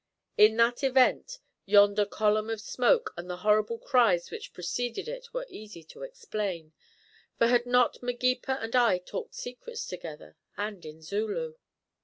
In that event yonder column of smoke and the horrible cries which preceded it were easy to explain. For had not Magepa and I talked secrets together, and in Zulu.